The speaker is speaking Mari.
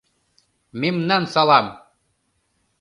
мемнан салам!